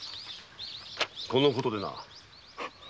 このことでな。